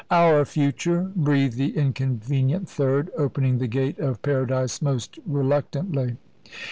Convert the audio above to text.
"Our future!" breathed the inconvenient third, opening the gate of paradise most reluctantly.